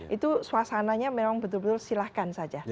itu suasananya memang betul betul silahkan saja